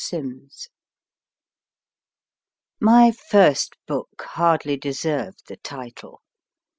SIMS M Y first book hardly de served the title.